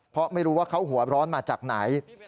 เพราะไม่รู้ว่าเขาหัวร้อนมาจากไหน